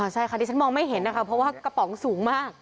ใช่ค่ะดิฉันมองไม่เห็นนะคะเพราะว่ากระป๋องสูงมาก